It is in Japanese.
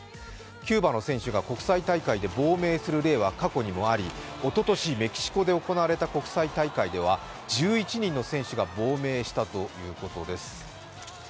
キューバの選手が国際大会で亡命する例は過去にもあり、おととし、メキシコで行われた国際大会では１１人の選手が亡命したということです。